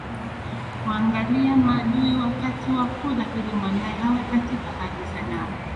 kuangalia maadui wakati wa kula ili mwanae awe katika hali salama